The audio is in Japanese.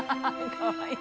かわいい！